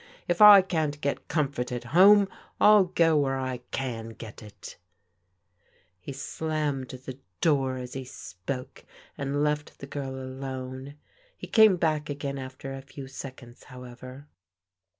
If I can't get comfort at home, I'll go where I can get it" He slammed the door as he spoke and left the girl alone. He came back again after a few seconds, bow ever.